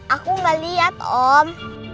aku gak lihat om